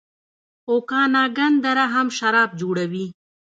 اوکاناګن دره هم شراب جوړوي.